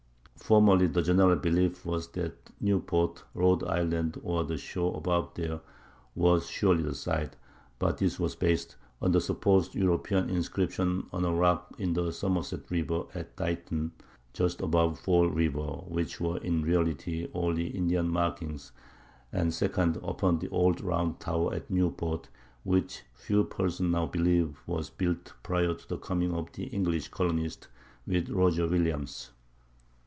Formerly the general belief was that Newport, R. I., or the shore above there, was surely the site; but this was based, first, on the supposed European inscriptions on a rock in the Somerset River, at Dighton, just above Fall River, which were in reality only Indian markings; and, second, upon the "old round tower" at Newport, which few persons now believe was built prior to the coming of the English colonists with Roger Williams.